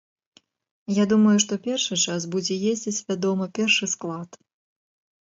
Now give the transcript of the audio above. Я думаю што першы час будзе ездзіць, вядома, першы склад.